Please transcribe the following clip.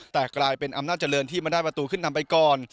แต่กลายเป็นอำนาจเจริญที่มาได้ประตูขึ้นนำไปก่อน